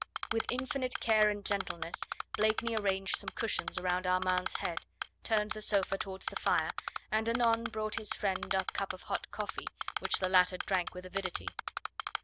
With infinite care and gentleness Blakeney arranged some cushions under Armand's head, turned the sofa towards the fire, and anon brought his friend a cup of hot coffee, which the latter drank with avidity.